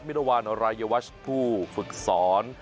มิตรวัลรายัวาชผู้ฝึกสอน